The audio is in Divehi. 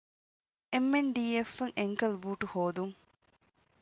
އެމް.އެން.ޑީ.އެފްއަށް އެންކަލް ބޫޓު ހޯދުން